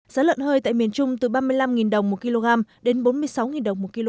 giá lợn hơi tại miền trung từ ba mươi năm đồng một kg đến bốn mươi sáu đồng một kg